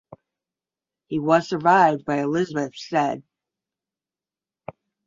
He was survived by Elizabeth Said.